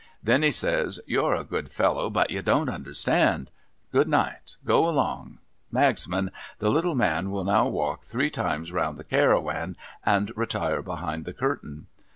Then, he says, ' You're a good fellow, but you don't understand. CJood night, go along. Magsman, the little man will now walk three times round the Cairawan, and retire behind_ the curtain.'